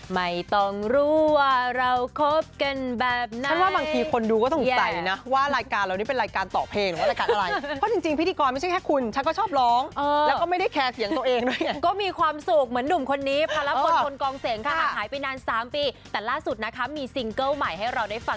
ไม่ต้องรู้ว่าเราคบกันแบบไหน